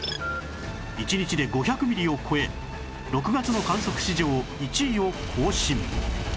１日で５００ミリを超え６月の観測史上１位を更新